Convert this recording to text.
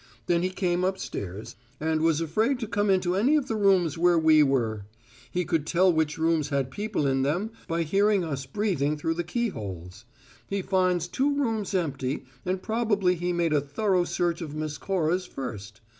Then he came upstairs, and was afraid to come into any of the rooms where we were. He could tell which rooms had people in them by hearing us breathing through the keyholes. He finds two rooms empty, and probably he made a thorough search of Miss Cora's first.